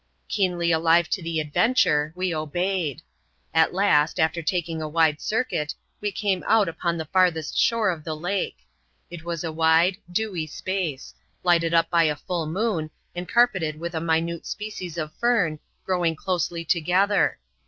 Kie^ily alive to the adventure, we obeyed. At last, after taking a wide circuit, we came out upon the farthest shore of the lake. It was a wide, dewy space ; lighted up by a full moon, and car peted with a minute species of fern, growing closely together.